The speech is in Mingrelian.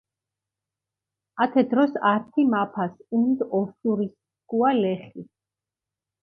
ათე დროს ართი მაფას ჸუნდჷ ოსურისქუა ლეხი.